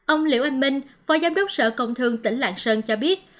ông liễu anh minh phó giám đốc sở công thương tỉnh lạng sơn cho biết